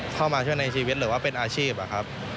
เข้ามาช่วยในชีวิตหรือว่าเป็นอาชีพอะครับ